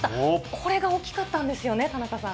これが大きかったんですよね、田中さん。